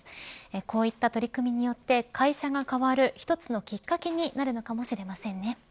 こういった取り組みによって会社が変わる一つのきっかけになるのかもしれませんね。